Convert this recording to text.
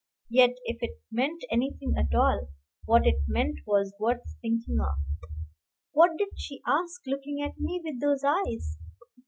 Yet if it meant anything at all, what it meant was worth thinking of. What did she ask, looking at me with those eyes?